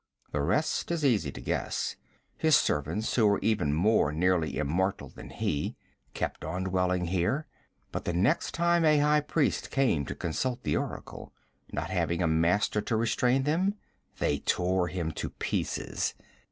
The rest is easy to guess. His servants, who were even more nearly immortal than he, kept on dwelling here, but the next time a high priest came to consult the oracle, not having a master to restrain them, they tore him to pieces.